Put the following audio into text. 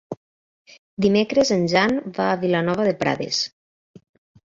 Dimecres en Jan va a Vilanova de Prades.